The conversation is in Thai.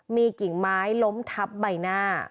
มีกิ่งไม้ล้มทับใบหน้า